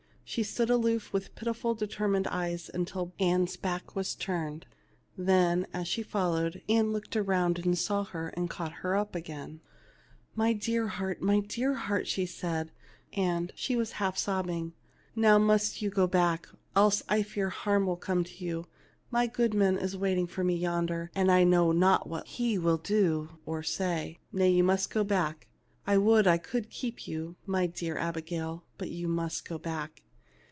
She stood aloof with pitiful determined eyes until Ann's back was turned, then, as she followed, Ann looked around and saw her and caught her up again. 237 THE LITTLE MAID AT THE DOOR " My dear heart, my dear heart/' she said, and she was half sobbing, "now must you go back, else I fear harm will come to you. Mygoodman is waiting for me yonder, and I know not what he will do or say. Nay ; you must go back. I would I could keep 3^011, my little Abigail, but you must go back.